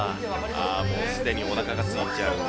ああもう、すでにおなかがすいちゃう。